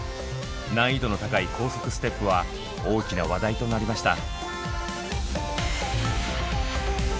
難易度の高い高速ステップは大きな話題となりました。